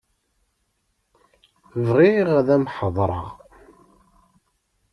Bɣiɣ ad am-heḍṛeɣ.